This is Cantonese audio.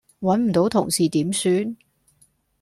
搵唔到同事點算?